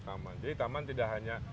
taman jadi taman tidak hanya